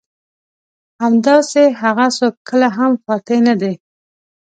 همداسې هغه څوک کله هم فاتح نه دي.